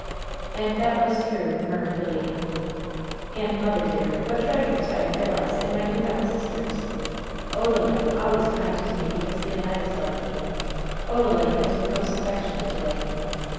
"And that was true," murmured the lady. w WHEN SHADOWS DIE 276 "And, mother, dear, what treasures I have realized in my new found sisters. Odalite — always kind to me because Leonidas loved me — Odalite has been most af fectionate to day.